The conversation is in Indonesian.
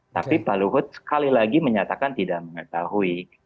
tapi pak luhut sekali lagi menyatakan tidak mengetahui